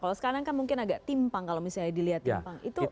kalau sekarang kan mungkin agak timpang kalau misalnya dilihat timpang